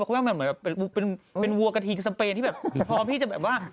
แปลวิ่งมันจะเหมือนแบบเป็นวัวกระทิศเผนที่พร้อมที่จะแบบว่า